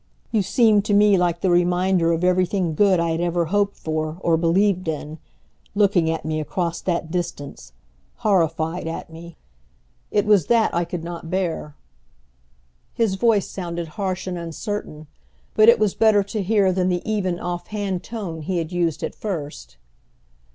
You seemed to me like the reminder of everything good I had ever hoped for or believed in, looking at me across that distance, horrified at me. It was that I could not bear." His voice sounded harsh and uncertain, but it was better to hear than the even off hand tone he had used at first.